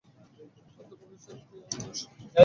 – তদপ্যপাকীর্ণমতঃ প্রিয়ংবদাং– শৈল।